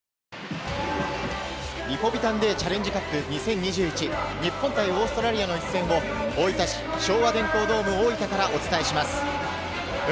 リポビタンＤチャレンジカップ２０２１、日本対オーストラリアの一戦を大分市、昭和電工ドーム大分からお伝えします。